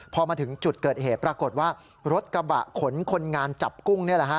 พอมาถึงจุดเกิดเหตุปรากฏว่ารถกระบะขนคนงานจับกุ้งนี่แหละฮะ